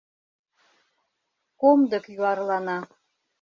Комдык юарлана.